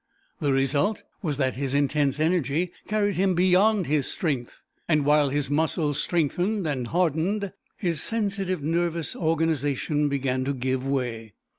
The result was that his intense energy carried him beyond his strength, and while his muscles strengthened and hardened, his sensitive nervous organization began to give way.